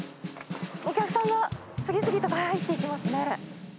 お客さんが次々と入っていきますね。